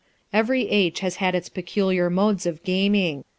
2 Every age has had its peculiar modes of gaming.